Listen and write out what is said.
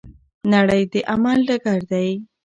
نړۍ د عمل ډګر دی.